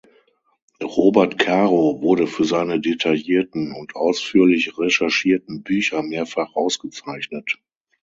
Robert Caro wurde für seine detaillierten und ausführlich recherchierten Bücher mehrfach ausgezeichnet.